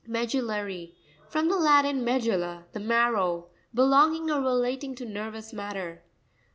Mepvu'tirary.—From the Latin, me dulla, the marrow. Belonging or relating to nervous matter.